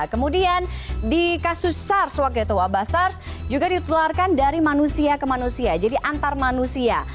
kemudian di kasus sars waktu itu wabah sars juga ditularkan dari manusia ke manusia jadi antar manusia